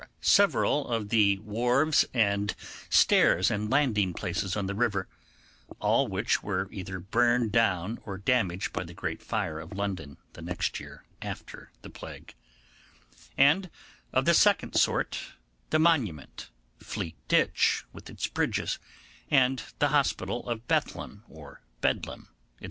several of the wharfs and stairs and landing places on the river; all which were either burned down or damaged by the great fire of London, the next year after the plague; and of the second sort, the Monument, Fleet Ditch with its bridges, and the Hospital of Bethlem or Bedlam, &c.